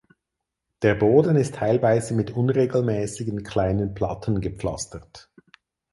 Der Boden ist teilweise mit unregelmäßigen kleinen Platten gepflastert.